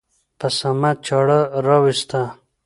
په صمد چاړه راوېسته.